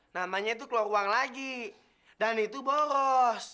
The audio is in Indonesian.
namanya itu keluar uang lagi dan itu bolos